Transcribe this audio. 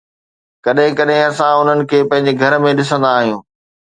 ڪڏهن ڪڏهن اسان انهن کي پنهنجي گهر ۾ ڏسندا آهيون